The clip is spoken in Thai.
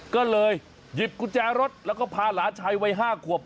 ก็เลยหยิบกุญแจรถแล้วก็พาหลานชายวัย๕ขวบ